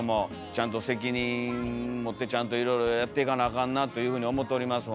ちゃんと責任持ってちゃんといろいろやっていかなあかんなというふうに思っております